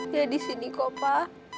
dia disini kok pa